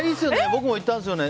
僕も行ったんですよね